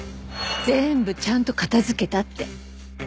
「全部ちゃんと片づけた」って。